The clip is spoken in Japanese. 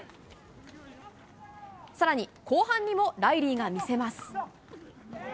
さらに後半にもライリーが見せます。